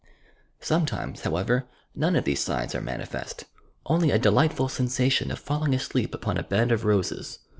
Sometimes, however, none of these signs arc manifest — only a delightful sensation of falling asleep upon a bed of roses.